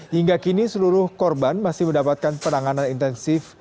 hingga kini seluruh korban masih mendapatkan penanganan intensif